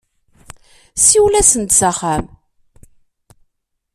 Siwel-asen-d s axxam.